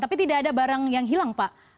tapi tidak ada barang yang hilang pak